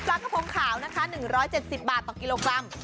กระพงขาวนะคะ๑๗๐บาทต่อกิโลกรัม